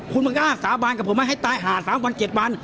คุณมันก็สาบานกับผมว่าให้ตายหาด๓วัน๗วัน